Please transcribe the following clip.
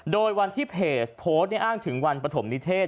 โดยวันที่เพจโพสต์อ้างถึงวันปฐมนิเทศ